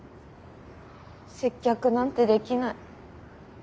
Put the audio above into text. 接客なんてできない。